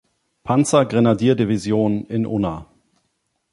Panzergrenadierdivision in Unna.